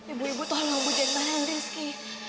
ibu ibu tolong bu jeng jangan rindis ki